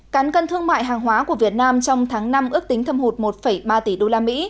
cán cân thương mại hàng hóa của việt nam trong tháng năm ước tính thâm hụt một ba tỷ usd